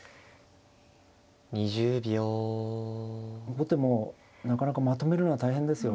後手もなかなかまとめるのは大変ですよ。